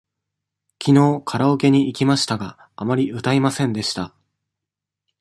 きのうカラオケに行きましたが、あまり歌いませんでした。